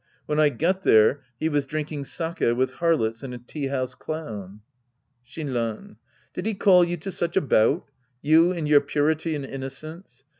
When I got there, he was drinking sake with harlots and a tea house clown. Shinran. Did he call you to such a bout ? You in your purity and innocence